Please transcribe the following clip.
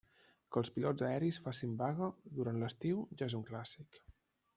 Que els pilots aeris facin vaga durant l'estiu, ja és un clàssic.